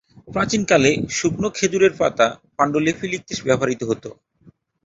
প্রাচীনকালে, শুকনো খেজুর পাতা পান্ডুলিপি লিখতে ব্যবহৃত হত।